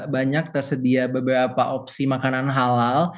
banyak tersedia beberapa opsi makanan halal